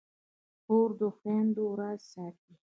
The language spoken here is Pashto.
خور د خویندو راز ساتي.